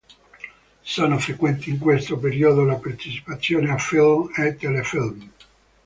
Sono frequenti in questo periodo le partecipazioni a film e telefilm.